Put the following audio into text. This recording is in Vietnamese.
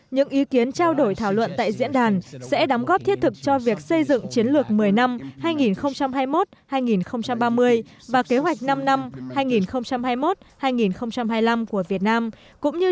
những ý kiến trao đổi thảo luận tại diễn đàn sẽ đóng góp thiết thực cho việc xây dựng chiến lược một mươi năm hai nghìn hai mươi một hai nghìn ba mươi